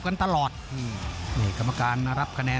ภูตวรรณสิทธิ์บุญมีน้ำเงิน